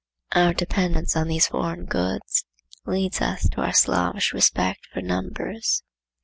Our dependence on these foreign goods leads us to our slavish respect for numbers.